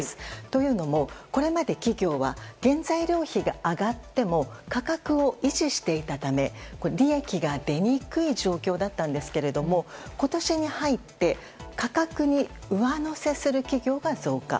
というのも、これまで企業は原材料費が上がっても価格を維持していたため、利益が出にくい状況だったんですけども今年に入って価格に上乗せする企業が増加。